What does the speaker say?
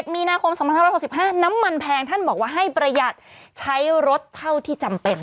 มีนาคม๒๕๖๕น้ำมันแพงท่านบอกว่าให้ประหยัดใช้รถเท่าที่จำเป็น